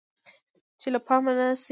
چې له پامه نشي غورځیدلی.